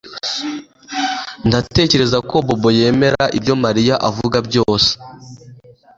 Ndatekereza ko Bobo yemera ibyo Mariya avuga byose